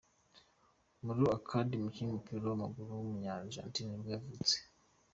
Mauro Icardi, umukinnyi w’umupira w’amaguru wo muri Argentine nibwo yavutse.